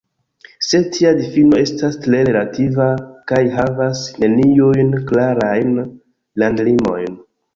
Sed tia difino estas tre relativa, kaj havas neniujn klarajn landlimojn.